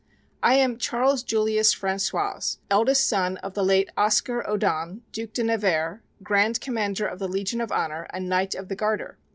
I am Charles Julius François, eldest son of the late Oscar Odon, Duc de Nevers, Grand Commander of the Legion of Honor, and Knight of the Garter.